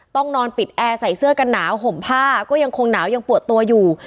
นอนปิดแอร์ใส่เสื้อกันหนาวห่มผ้าก็ยังคงหนาวยังปวดตัวอยู่